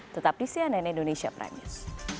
tetap di cnn indonesia prime news